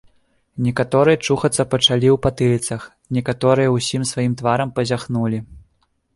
Некаторыя чухацца пачалі ў патыліцах, некаторыя ўсім сваім тварам пазяхнулі.